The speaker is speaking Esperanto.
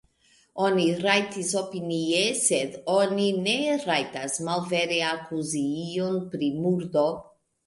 Oni rajtas opinii, sed oni ne rajtas malvere akuzi iun pri murdo.